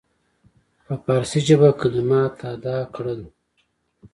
په فارسي ژبه کلمات ادا کړل.